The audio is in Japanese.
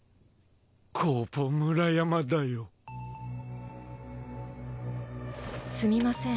コーポ村山だよすみません